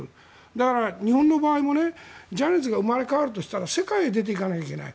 だから日本の場合もジャニーズが生まれ変わるとしたら世界へ出ていかないといけない。